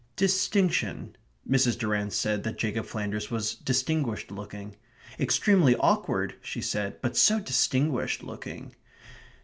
"Distinction" Mrs. Durrant said that Jacob Flanders was "distinguished looking." "Extremely awkward," she said, "but so distinguished looking."